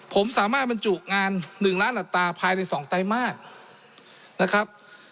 ผมสามารถบรรจุงาน๑ล้านอัตราภายใน๒ไตรมาสนะครับ